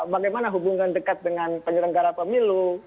bagaimana hubungan dekat dengan penyelenggara pemilu